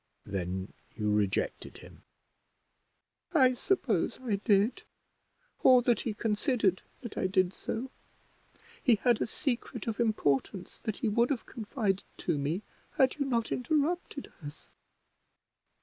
"Then you rejected him?" "I suppose I did, or that he considered that I did so. He had a secret of importance that he would have confided to me had you not interrupted us."